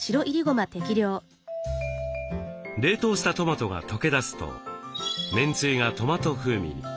冷凍したトマトが溶けだすとめんつゆがトマト風味に。